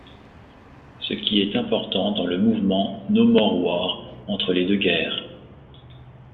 Ce qui est important dans le mouvement No More War entre les deux guerres.